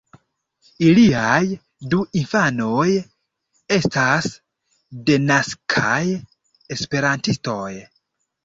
Iliaj du infanoj estas denaskaj esperantistoj.